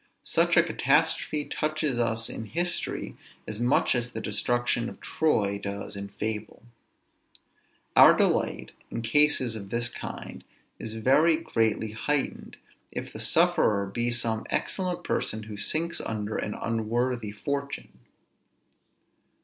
Such a catastrophe touches us in history as much as the destruction of Troy does in fable. Our delight, in cases of this kind, is very greatly heightened, if the sufferer be some excellent person who sinks under an unworthy fortune.